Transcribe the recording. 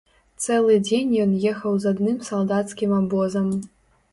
Цэлы дзень ён ехаў з адным салдацкім абозам.